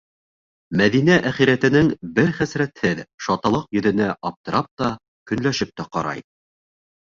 Мәҙинә әхирәтенең бер хәсрәтһеҙ, шаталаҡ йөҙөнә аптырап та, көнләшеп тә ҡарай.